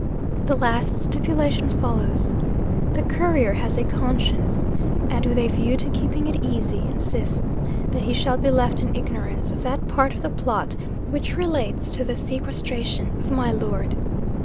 The last stipulation follows. The Courier has a conscience; and with a view to keeping it easy, insists that he shall be left in ignorance of that part of the plot which relates to the sequestration of my Lord.